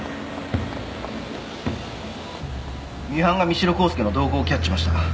ミハンが三城康介の動向をキャッチしました。